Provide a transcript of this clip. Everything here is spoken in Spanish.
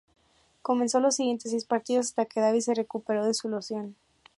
Comenzó los siguientes seis partidos hasta que Davis se recuperó de su lesión.